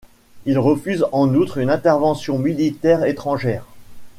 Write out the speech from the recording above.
Il refuse en outre une intervention militaire étrangère.